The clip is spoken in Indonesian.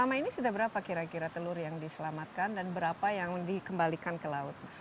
jadi sudah berapa kira kira telur yang diselamatkan dan berapa yang dikembalikan ke laut